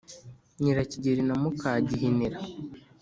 nyirakigeri na muka gihinira